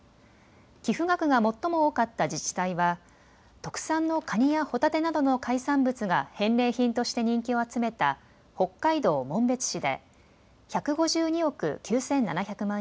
寄付額が最も多かった自治体は特産のカニやホタテなどの海産物が返礼品として人気を集めた北海道紋別市で１５２億９７００万